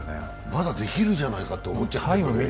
まだできるじゃないかと思っちゃいますよね。